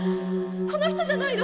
この人じゃないの？